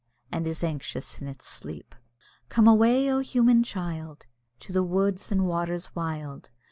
And is anxious in its sleep. Come away! O, human child! To the woods and waters wild.